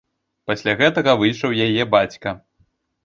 Пасля гэтага выйшаў яе бацька.